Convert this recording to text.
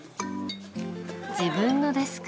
自分のデスク。